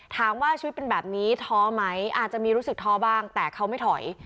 ถามว่าชีวิตเป็นแบบนี้ท้อไหมอาจจะมีรู้สึกท้อบ้างแต่เขาไม่ถอย